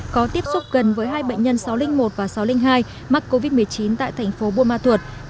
có tiếp xúc gần với hai bệnh nhân sáu trăm linh một và sáu trăm linh hai mắc covid một mươi chín tại thành phố buôn ma thuột